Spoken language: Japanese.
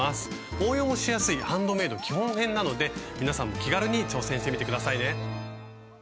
応用もしやすいハンドメイド基本編なので皆さんも気軽に挑戦してみて下さいね。